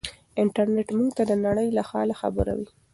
انټرنيټ موږ ته د نړۍ له حاله خبروي.